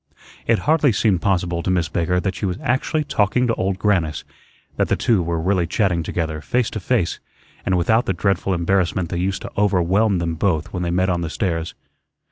It hardly seemed possible to Miss Baker that she was actually talking to Old Grannis, that the two were really chatting together, face to face, and without the dreadful embarrassment that used to overwhelm them both when they met on the stairs.